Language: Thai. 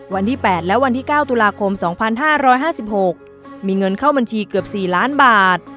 วันที่๘และวันที่๙ตุลาคม๒๕๕๖มีเงินเข้าบัญชีเกือบ๔ล้านบาท